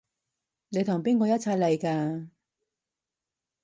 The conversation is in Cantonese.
你同邊個一齊嚟㗎？